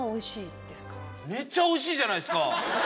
めっちゃおいしいじゃないですか！